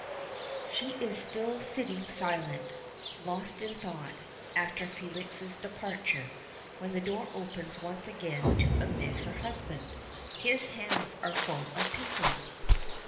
She is still sitting silent, lost in thought, after Felix's departure, when the door opens once again to admit her husband. His hands are full of papers.